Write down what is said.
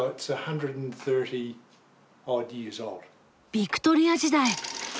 ビクトリア時代！